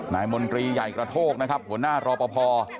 นายมนตรีใหญ่กระโทกนะครับหัวหน้ารอบพอพอ